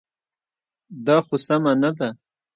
دا خو سمه نه ده.